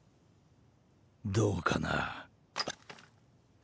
どうかな。